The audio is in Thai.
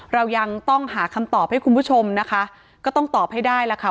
เรายังต้องหาคำตอบให้คุณผู้ชมนะคะก็ต้องตอบให้ได้ล่ะค่ะ